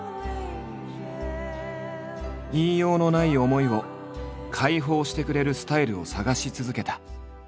言いようのない思いを解放してくれるスタイルを探し続けた。